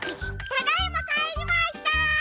ただいまかえりました！